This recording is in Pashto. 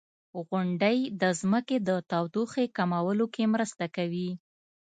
• غونډۍ د ځمکې د تودوخې کمولو کې مرسته کوي.